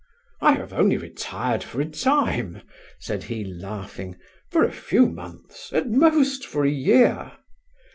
"I have only retired for a time," said he, laughing. "For a few months; at most for a year."